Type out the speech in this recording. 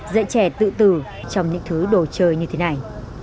dạy trẻ tự tử trong những thứ đồ chơi như thế này